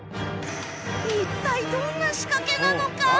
一体どんな仕掛けなのか？